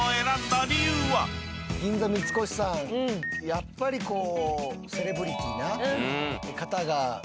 やっぱりこう。